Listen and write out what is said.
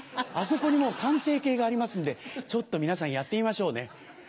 あそこにもう完成形がありますんでちょっと皆さんやってみましょうね。